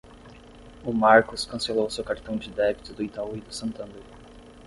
O Marcos cancelou seu cartão de débito do Itaú e do Santander.